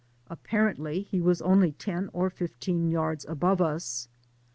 apparently he was only ten or fifteen yards above us.